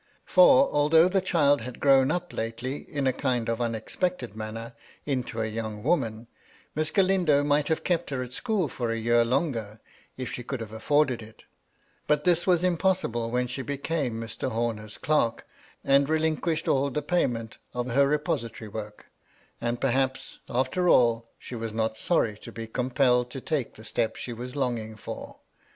For, although the child had grown up lately, in a kind of MY LADY LUDLOW. unexpected manner, into a young woman, Miss Gralindo might have kept her at school for a year longer, if she could have afforded it ; but this was impossible when she became Mr. Homer's clerk, and relinquished all the payment of her repository work ; and perhaps, after all, she was not sorry to be compelled to take the step she was longing for.